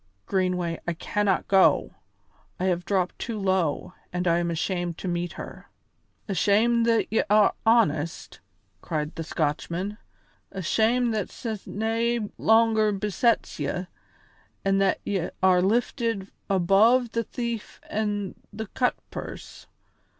Greenway, I cannot go; I have dropped too low, and I am ashamed to meet her." "Ashamed that ye are honest?" cried the Scotchman. "Ashamed that sin nae longer besets ye, an' that ye are lifted above the thief an' the cutpurse!